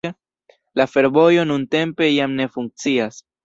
La fervojo nuntempe jam ne funkcias.